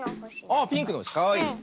あっピンクのほしかわいいね。